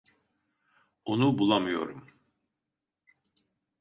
Onu bulamıyorum.